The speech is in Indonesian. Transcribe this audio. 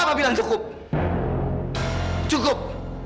papa bilang cukup cukup